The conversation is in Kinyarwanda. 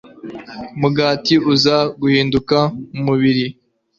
mugati, uza guhinduka umubiri